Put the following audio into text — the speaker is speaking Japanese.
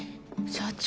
社長！